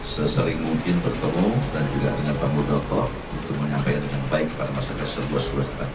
sesering mungkin bertemu dan juga dengan panggung doko untuk menyampaikan yang baik kepada masyarakat sebuah sebuah saat